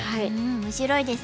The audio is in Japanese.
面白いですね。